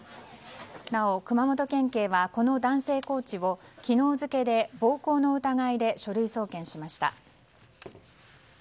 なお熊本県警はこの男性コーチを昨日付で暴行の疑いで書類送検しました。